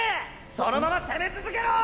そのまま攻め続けろ！